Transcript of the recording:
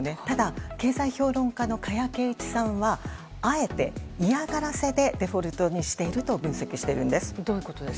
ただ、経済評論家の加谷珪一さんはあえて嫌がらせでデフォルトにしていると分析しているんです。